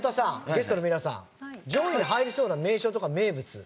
ゲストの皆さん上位に入りそうな名所とか名物。